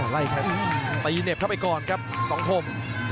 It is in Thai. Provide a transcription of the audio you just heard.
ตายยินเน็บเข้าไปก่อนครับสองกรม